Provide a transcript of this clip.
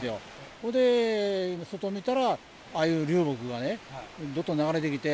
それで、外見たら、ああいう流木がね、どっと流れてきて。